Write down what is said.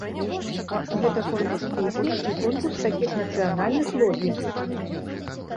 Гэта конкурс песні і конкурс такіх нацыянальных лобі.